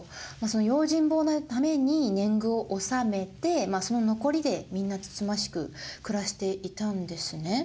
用心棒代のために年貢を納めてその残りでみんなつつましく暮らしていたんですね。